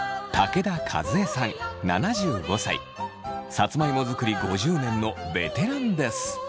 さつまいも作り５０年のベテランです。